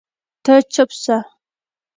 ته چپ سه